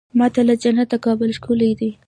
ما ته له جنته کابل ښکلی دی.